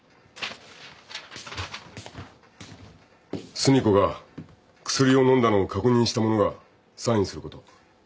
寿美子が薬を飲んだのを確認した者がサインすること。